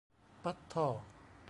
ปั๊ดธ่อ